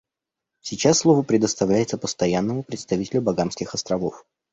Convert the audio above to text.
Сейчас слово предоставляется Постоянному представителю Багамских Островов.